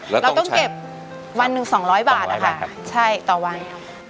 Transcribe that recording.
แล้วก็เก็บวันหนึ่ง๒๐๐บาทถั่ววัง